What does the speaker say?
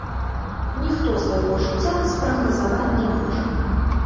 Ніхто свайго жыцця спрагназаваць не можа.